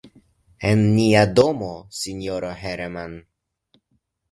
En nia domo, sinjoro Hermann.